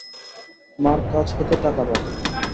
মার কাছ হতে টাকা পাব।